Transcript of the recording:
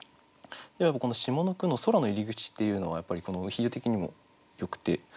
この下の句の「空の入り口」っていうのはやっぱりこの比喩的にもよくて。